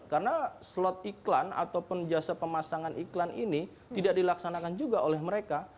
karena slot iklan atau penjasa pemasangan iklan ini tidak dilaksanakan juga oleh mereka